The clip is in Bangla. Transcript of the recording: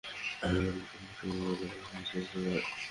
সকাল নয়টার দিকে কুয়াশা কমে গেলে আবার ফেরি চলাচল শুরু হয়।